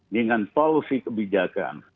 dengan polusi kebijakan